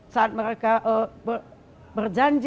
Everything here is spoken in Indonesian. saat mereka berjanji